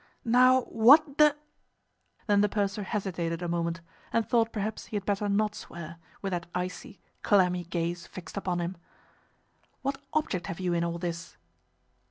"Now, what the—" Then the purser hesitated a moment, and thought perhaps he had better not swear, with that icy, clammy gaze fixed upon him. "What object have you in all this?"